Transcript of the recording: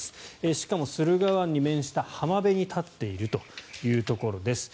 しかも駿河湾に面した浜辺に立っているということです。